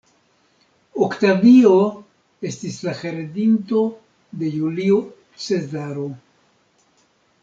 Oktavio estis la heredinto de Julio Cezaro.